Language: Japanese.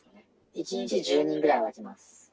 １日１０人ぐらいは来ます。